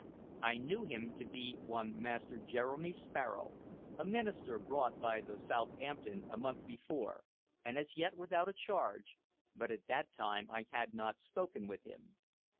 I knew him to be one Master Jeremy Sparrow, a minister brought by the Southampton a month before, and as yet without a charge, but at that time I had not spoken with him.